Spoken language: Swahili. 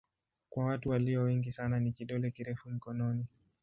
Kwa watu walio wengi sana ni kidole kirefu mkononi.